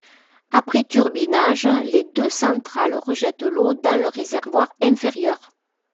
Après turbinage, les deux centrales rejettent l'eau dans le réservoir inférieur.